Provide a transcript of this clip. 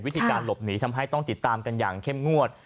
วิธีการหลบหนีทำให้ต้องติดตามกันอย่างเข้มงวด